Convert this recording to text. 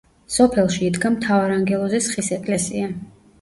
სოფელში იდგა მთავარანგელოზის ხის ეკლესია.